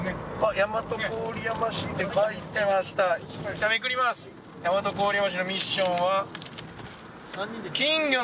大和郡山市のミッションは。